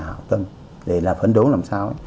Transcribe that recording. học tâm để làm phấn đấu làm sao